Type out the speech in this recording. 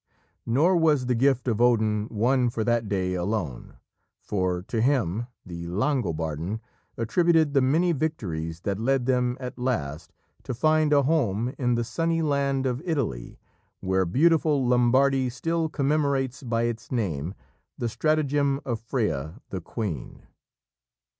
Nor was the gift of Odin one for that day alone, for to him the Langobarden attributed the many victories that led them at last to find a home in the sunny land of Italy, where beautiful Lombardy still commemorates by its name the stratagem of Freya, the queen.